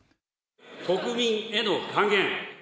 国民への還元。